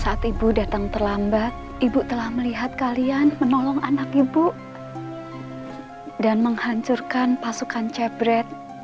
saat ibu datang terlambat ibu telah melihat kalian menolong anak ibu dan menghancurkan pasukan cebret